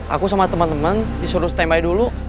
aku sama temen temen disuruh standby dulu